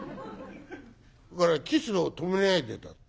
それから『キスを止めないで』だって。